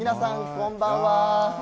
こんばんは。